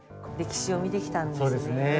歴史を見てきたんですね。